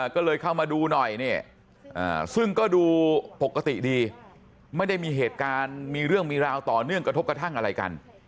ก็เลยเข้ามาดูหน่อยเนี่ยซึ่งก็ดูปกติดีไม่ได้มีเหตุการณ์มีเรื่องมีราวต่อเนื่องกระทบกระทั่งอะไรกัน